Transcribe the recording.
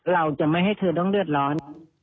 เราจะไม่ให้เธอต้องเดือดร้อน